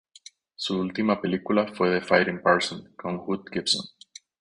Su última película fue "The Fighting Parson", con Hoot Gibson.